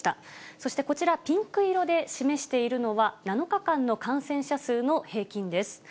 そしてこちら、ピンク色で示しているのは、７日間の感染者数の平均です。